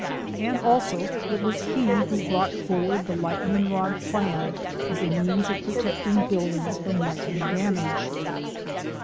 And also it was he who brought forward the lightning rod plan as a means of protecting buildings from light ning damage.